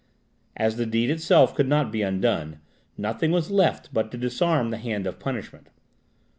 As the deed itself could not be undone, nothing was left but to disarm the hand of punishment.